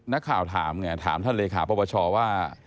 นักข่าวถามเนี่ยถามท่านเลขาปชว่า